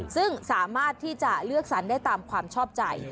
ซึ่งสามารถที่จะเลือกสรรได้ตามความชอบใจ